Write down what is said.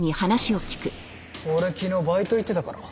俺昨日バイト行ってたから。